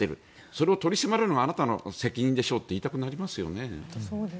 それを取り締まるのがあなたの責任でしょうと言いたくなりますよね。